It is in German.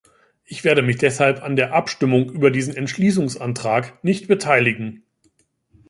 Ich werde mich deshalb an der Abstimmung über diesen Entschließungsantrag nicht beteiligen.